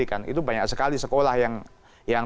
itu banyak sekali sekolah yang